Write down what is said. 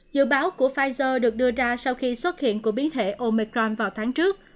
dự báo của pfizer được đưa ra sau khi xuất hiện của biến thể omecron vào tháng trước